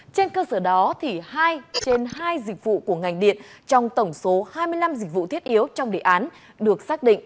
trên cơ sở đó hai trên hai dịch vụ của ngành điện trong tổng số hai mươi năm dịch vụ thiết yếu trong đề án được xác định